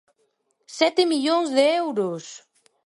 ¡Sete millóns de euros!